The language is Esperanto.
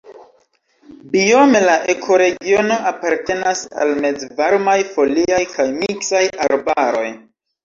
Biome la ekoregiono apartenas al mezvarmaj foliaj kaj miksaj arbaroj.